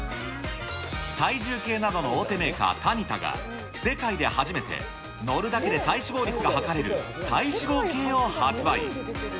体重計などの大手メーカー、タニタが、世界で初めて、乗るだけで体脂肪率がはかれる体脂肪計を発売。